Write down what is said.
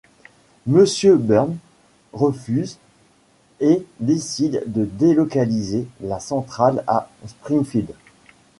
Monsieur Burns refuse et décide de délocaliser la centrale à Springfield.